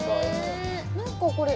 何かこれ。